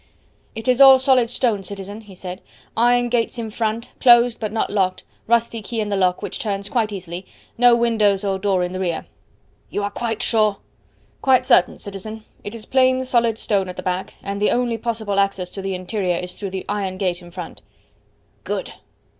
"It is all solid stone, citizen," he said; "iron gates in front, closed but not locked, rusty key in the lock, which turns quite easily; no windows or door in the rear." "You are quite sure?" "Quite certain, citizen; it is plain, solid stone at the back, and the only possible access to the interior is through the iron gate in front." "Good."